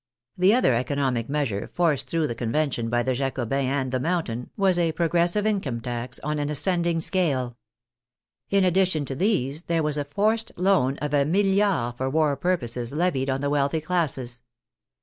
The other economic measure forced through the Convention by the Jacobins and the Mountain was a progressive income tax on an ascending scale. In addition to these there was a forced loan of a milliard for war purposes levied on the wealthy classes.